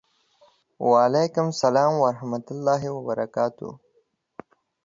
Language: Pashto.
وعلیکم سلام ورحمة الله وبرکاته